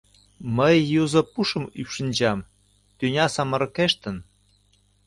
Мый юзо пушым ӱпшынчам, тӱня самырыкештын.